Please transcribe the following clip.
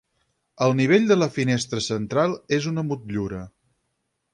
Al nivell de la finestra central, és una motllura.